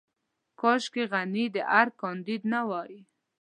کاشکې غني د ارګ کانديد نه وای.